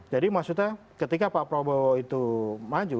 jadi maksudnya ketika pak prabowo itu maju